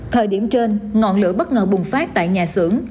thời điểm trên ngọn lửa bất ngờ bùng phát tại nhà xưởng